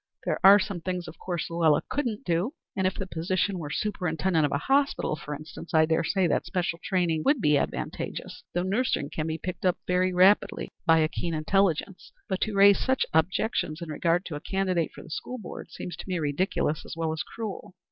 There are some things of course, Luella couldn't do and if the position were superintendent of a hospital, for instance, I dare say that special training would be advantageous, though nursing can be picked up very rapidly by a keen intelligence: but to raise such objections in regard to a candidate for the School Board seems to me ridiculous as well as cruel.